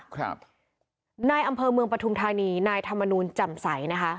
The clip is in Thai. ครับในอำเภอเมืองประทุนธานีนายธรรมนูญจำใสนะคะ